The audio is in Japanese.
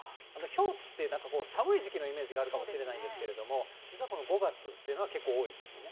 ひょうって、なんか寒い時期のイメージがあるかもしれないですけど、実はこの５月っていうのは結構多いですよね。